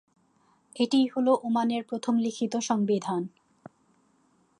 এটিই হলো ওমানের প্রথম লিখিত "সংবিধান"।